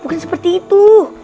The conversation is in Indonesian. mungkin seperti itu